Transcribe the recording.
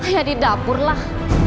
ya di dapur lah